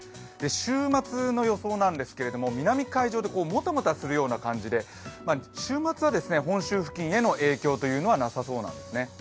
週末の予想なんですけれども南海上でもたもたするような感じで週末は本州付近への影響はなさそうなんですね。